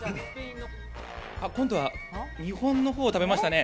今度は日本の方を食べましたね。